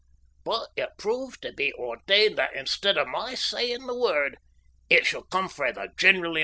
But it proved tae be ordained that, instead o' my saying the word, it should come frae the general himsel'.